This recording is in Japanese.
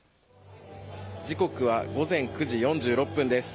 時刻は午前９時４６分です。